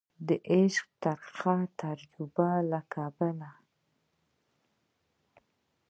د عشق د ترخې تجربي له کبله